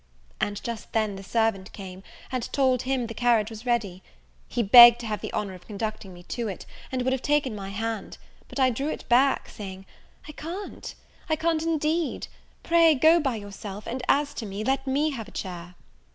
And just then the servant came, and told him the carriage was ready. He begged to have the honour of conducting me to it, and would have taken my hand; but I drew it back, saying, "I can't I can't indeed! pray go by yourself and as to me, let me have a chair."